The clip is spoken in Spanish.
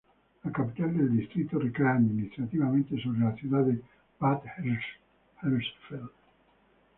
La capital del distrito recae administrativamente sobre la ciudad de Bad Hersfeld.